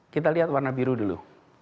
kita lihat warna biru dulu